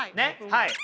はい。